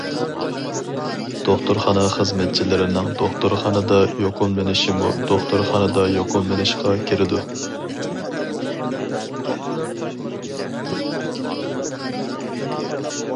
دوختۇرخانا خىزمەتچىلىرىنىڭ دوختۇرخانىدا يۇقۇملىنىشىمۇ دوختۇرخانىدا يۇقۇملىنىشقا كىرىدۇ.